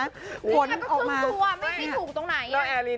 นี่ผมทำให้ครึ่งตัวไม่ได้ถูกตรงไหน